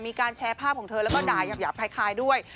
มีการแชร์ภาพของเธอแล้วก็ด่ายาบคล้ายด้วย